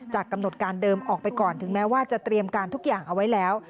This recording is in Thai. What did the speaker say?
กำหนดการเดิมออกไปก่อนถึงแม้ว่าจะเตรียมการทุกอย่างเอาไว้แล้ว